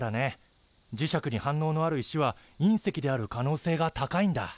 磁石に反応のある石は隕石である可能性が高いんだ。